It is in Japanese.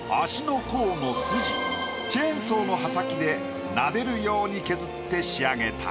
チェーンソーの刃先でなでるように削って仕上げた。